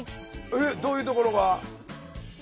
えっどういうところが？